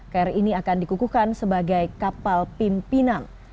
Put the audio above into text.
kr ini akan dikukuhkan sebagai kapal pimpinan